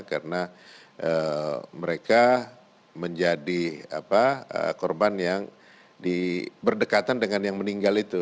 karena mereka menjadi korban yang diberdekatan dengan yang meninggal itu